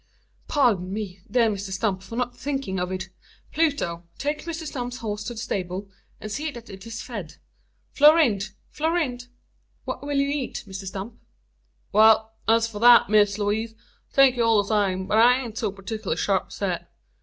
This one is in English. "Pardon me, dear Mr Stump, for not thinking of it. Pluto; take Mr Stump's horse to the stable, and see that it is fed. Florinde! Florinde! What will you eat, Mr Stump?" "Wal, as for thet, Miss Lewaze, thank ye all the same, but I ain't so partikler sharp set.